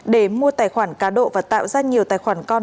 để mua tài khoản cá độ và tạo ra nhiều tài khoản con